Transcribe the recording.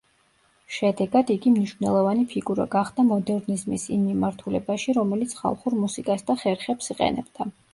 შედეგად, იგი მნიშვნელოვანი ფიგურა გახდა მოდერნიზმის იმ მიმართულებაში, რომელიც ხალხურ მუსიკას და ხერხებს იყენებდა.